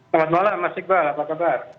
selamat malam mas iqbal apa kabar